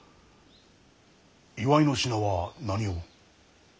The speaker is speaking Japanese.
祝いの品は何を？